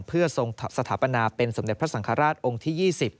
เพื่อทรงสถาปนาเป็นสมเด็จพระสังฆราชองค์ที่๒๐